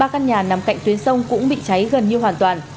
ba căn nhà nằm cạnh tuyến sông cũng bị cháy gần như hoàn toàn